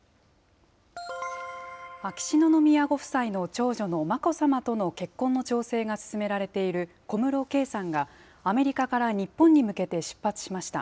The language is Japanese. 秋篠宮ご夫妻の長女の眞子さまとの結婚の調整が進められている小室圭さんが、アメリカから日本に向けて出発しました。